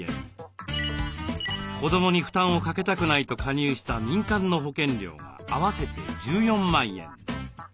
子どもに負担をかけたくないと加入した民間の保険料が合わせて１４万円。